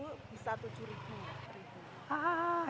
kalau satu minggu bisa rp tujuh